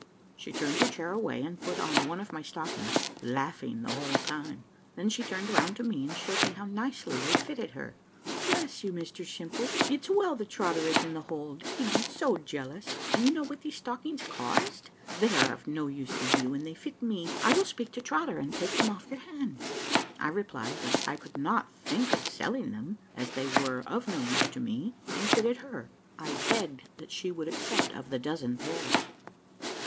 She turned her chair away, and put on one of my stockings, laughing the whole of the time. Then she turned round to me and showed me how nicely they fitted her. "Bless you, Mr Simple, it's well that Trotter is in the hold, he'd be so jealous do you know what these stockings cost? They are of no use to you, and they fit me. I will speak to Trotter, and take them off your hands." I replied, that I could not think of selling them, and as they were of no use to me and fitted her, I begged that she would accept of the dozen pairs.